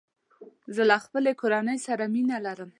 زه له خپلې کورني سره مینه لرم.